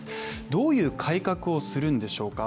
どういう改革をするんでしょうか。